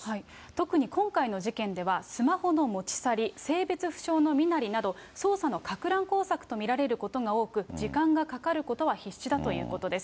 特に今回の事件では、スマホの持ち去り、性別不詳の身なりなど、捜査のかく乱工作と見られることが多く、時間がかかることは必至だということです。